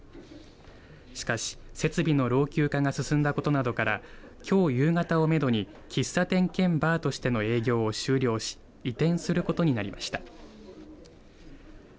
しかし、設備の老朽化が進んだことなどからきょう夕方をめどに喫茶店兼バーとしての営業を終了し移転することになりました。